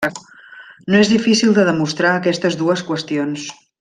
No és difícil de demostrar aquestes dues qüestions.